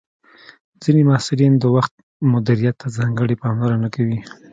ځینې محصلین د وخت مدیریت ته ځانګړې پاملرنه کوي.